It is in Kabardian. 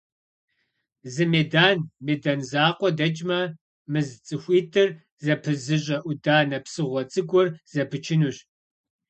Зы медан, медан закъуэ дэкӀмэ, мы цӀыхуитӀыр зэпызыщӀэ Ӏуданэ псыгъуэ цӀыкӀур зэпычынущ.